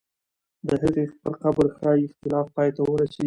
د هغې پر قبر ښایي اختلاف پای ته ورسېږي.